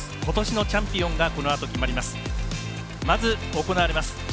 ことしのチャンピオンがこのあと決まります。